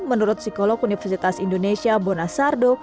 menurut psikolog universitas indonesia bonasardo